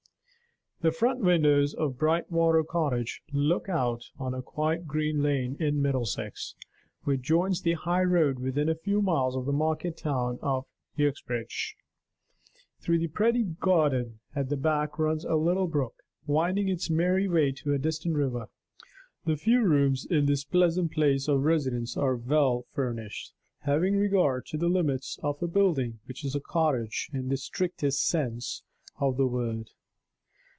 The front windows of Brightwater Cottage look out on a quiet green lane in Middlesex, which joins the highroad within a few miles of the market town of Uxbridge. Through the pretty garden at the back runs a little brook, winding its merry way to a distant river. The few rooms in this pleasant place of residence are well (too well) furnished, having regard to the limits of a building which is a cottage in the strictest sense of the word.